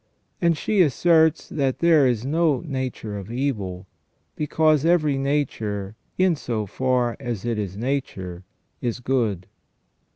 And she asserts that there is no nature of evil, because every nature, in so far as it is nature, is good."